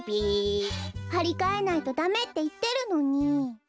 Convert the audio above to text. はりかえないとダメっていってるのに！